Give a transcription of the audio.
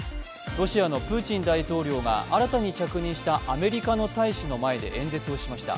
ロシアのプーチン大統領が新たに着任したアメリカの大使の前で演説しました。